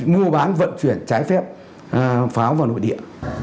mua bán vận chuyển trái phép pháo vào nội địa